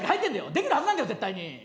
できるはずなんだよ絶対に。